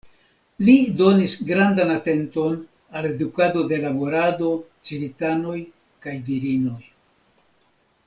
Li donis grandan atenton al edukado de laborado, civitanoj kaj virinoj.